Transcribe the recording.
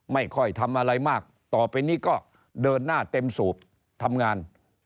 ไม่ค่อยทำอะไรมากต่อไปนี้ก็เดินหน้าเต็มสูบทำงาน